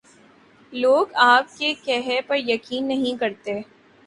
لو گ آپ کے کہے پہ یقین نہیں کرتے۔